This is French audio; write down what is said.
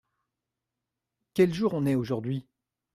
Quel jour on est aujourd’hui ?